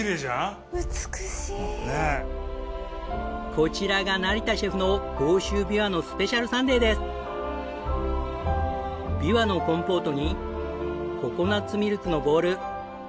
こちらが成田シェフのビワのコンポートにココナッツミルクのボール。